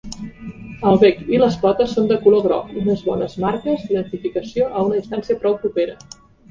El bec i les potes són de color groc, unes bones marques d'identificació a una distància prou propera.